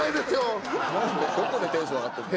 なんでどこでテンション上がってるんだ？